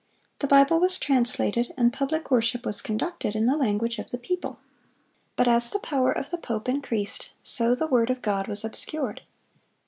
The Bible was translated, and public worship was conducted, in the language of the people. But as the power of the pope increased, so the word of God was obscured.